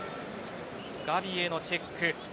ガヴィへのチェック。